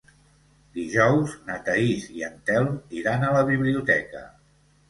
Dijous na Thaís i en Telm iran a la biblioteca.